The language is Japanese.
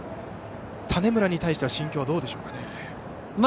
種村に対しては心境、どうでしょうか。